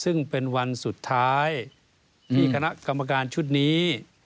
ซึ่งเป็นวันสุดท้ายที่คณะกรรมการชุดนี้